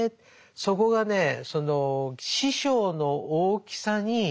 そこがねその師匠の大きさに。